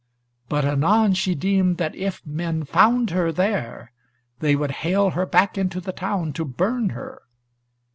But anon she deemed that if men found her there they would hale her back into the town to burn her.